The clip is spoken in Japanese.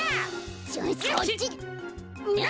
そっちだ！